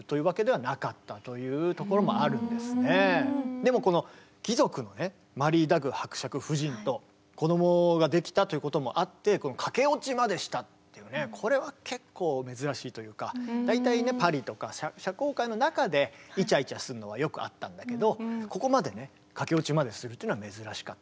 でもこの貴族のねマリー・ダグー伯爵夫人とこどもができたということもあって大体ねパリとか社交界の中でいちゃいちゃするのはよくあったんだけどここまでねかけ落ちまでするというのはめずらしかったんですね。